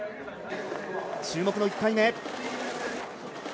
注目の１回目。